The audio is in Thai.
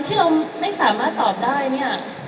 ที่เราไม่สามารถตอบได้เนี่ย